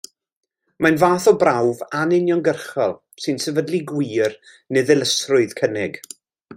Mae'n fath o brawf anuniongyrchol sy'n sefydlu gwir neu ddilysrwydd cynnig.